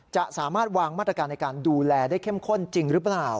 จะสามารถวางมาตรการในการดูแลได้เข้มข้นจริงหรือเปล่า